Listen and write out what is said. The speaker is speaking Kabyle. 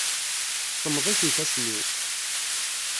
Semmeḍit yifassen-iw.